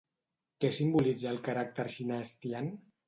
Què simbolitza el caràcter xinès Tian?